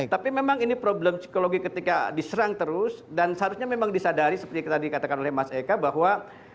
tapi memang ini problem psikologi ketika diserang terus dan seharusnya memang disadari seperti tadi katakan oleh mas eka bahwa